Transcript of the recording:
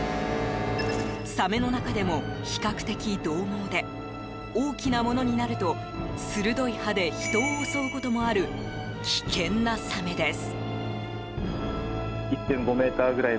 サメの中でも比較的、獰猛で大きなものになると鋭い歯で人を襲うこともある危険なサメです。